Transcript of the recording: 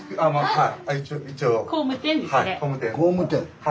はい。